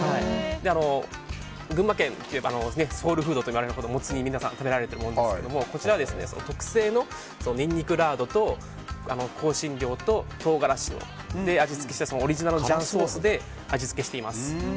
群馬県でソウルフードと呼ばれるほどもつ煮を皆さん食べられると思うんですがこちらは特製のニンニクラードと香辛料と唐辛子で味付けしてオリジナルジャン辛ソースで味付けしています。